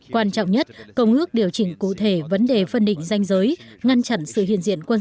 quan trọng nhất công ước điều chỉnh cụ thể vấn đề phân định danh giới ngăn chặn sự hiện diện quân